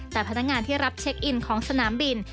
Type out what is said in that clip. แต่พนักงานที่รับเช็คอินของสนามบิน